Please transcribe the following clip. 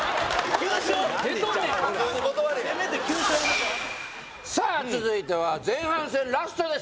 普通に断れやさあ続いては前半戦ラストです